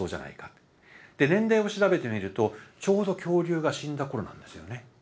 で年代を調べてみるとちょうど恐竜が死んだ頃なんですよね。